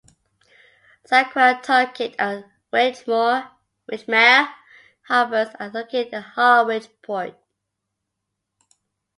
Saquatucket and Wychmere Harbors are located in Harwich Port.